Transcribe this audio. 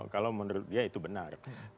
kalau menurut dia itu benar